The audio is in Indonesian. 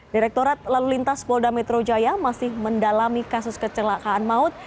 direktorat lalu lintas polda metro jaya masih mendalami kasus kecelakaan maut